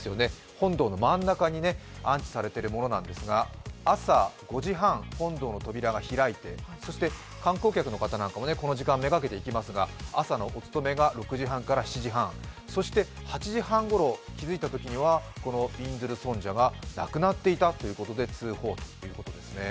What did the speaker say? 本堂の真ん中に安置されているものなんですが、朝５時半、本堂の扉が開いて、そして観光客の方なんかも、この時間目がけて行きますが、朝のお勤めが６時半から７時半、そして８時半ごろ、気づいたときにはびんずる尊者がなくなっていたということで通報ということですね。